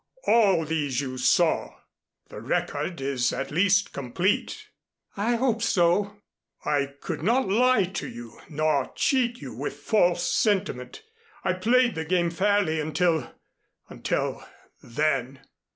All these you saw. The record is at least complete." "I hope so." "I could not lie to you nor cheat you with false sentiment. I played the game fairly until until then."